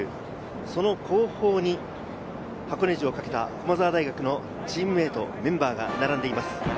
その後方に箱根路をかけた駒澤大学のチームメート、メンバーが並んでいます。